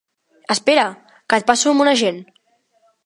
Espera, que et passo amb un agent.